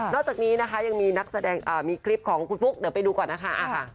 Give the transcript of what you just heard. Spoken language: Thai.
จากนี้นะคะยังมีนักแสดงมีคลิปของคุณฟุ๊กเดี๋ยวไปดูก่อนนะคะ